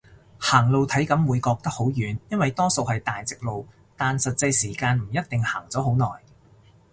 行路體感會覺得好遠，因為多數係大直路，但實際時間唔一定行咗好耐